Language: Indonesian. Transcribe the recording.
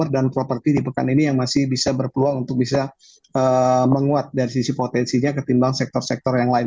dan properti di pekan ini yang masih bisa berpeluang untuk bisa menguat dari sisi potensinya ketimbang sektor sektor yang lain